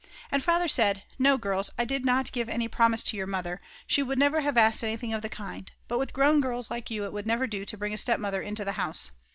And Father said: "No, girls, I did not give any promise to your Mother, she would never have asked anything of the kind. But with grown girls like you it would never do to bring a stepmother into the house."